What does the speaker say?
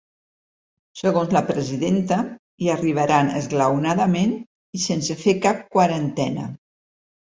Segons la presidenta, hi arribaran esglaonadament i sense fer cap quarantena.